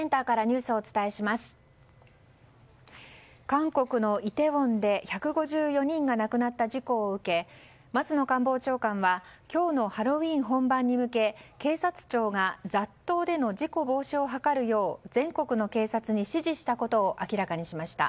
韓国のイテウォンで１５４人が亡くなった事故を受け松野官房長官は今日のハロウィーン本番に向け警察庁が雑踏での事故防止を図るよう全国の警察に指示したことを明らかにしました。